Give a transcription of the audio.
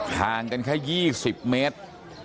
ทางกันแค่ยี่สิบเมตร